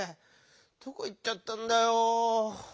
どこいっちゃったんだよぉ。